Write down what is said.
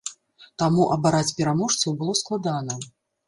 Таму абараць пераможцаў было складана.